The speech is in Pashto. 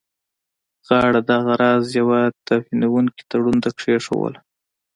غاړه دغه راز یوه توهینونکي تړون ته کښېښودله.